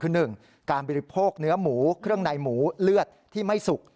คือ๑การบริโภคเนื้อหมูเครื่องในหมูเลือดที่ไม่สุก